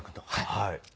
はい。